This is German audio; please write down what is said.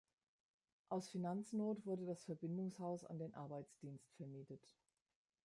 Aus Finanznot wurde das Verbindungshaus an den Arbeitsdienst vermietet.